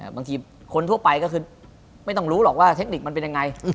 บางทีคนทั่วไปก็คือไม่ต้องรู้หรอกว่าเทคนิคมันเป็นยังไง